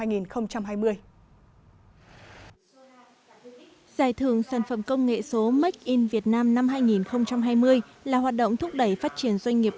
giải thưởng sản phẩm công nghệ số make in việt nam năm hai nghìn hai mươi là hoạt động thúc đẩy phát triển doanh nghiệp